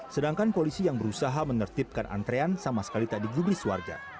sedangkan polisi yang berusaha menertibkan antrean sama sekali tak digubris warga